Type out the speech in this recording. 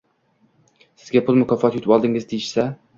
Sizga «pul mukofoti yutib oldingiz», deyishsa...